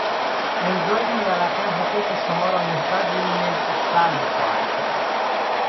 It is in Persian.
امضای این ورقه حقوق شما را نسبت به این ملک سلب خواهد کرد.